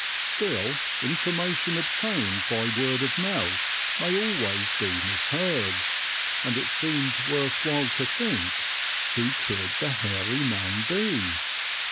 Still, information obtained by word of mouth may always be misheard, and it seemed worth while to think who could the Hairy Man be?